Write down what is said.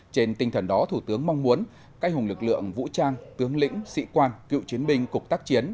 trên tinh thần đó thủ tướng mong muốn các anh hùng lực lượng vũ trang tướng lĩnh sĩ quan cựu chiến binh cục tác chiến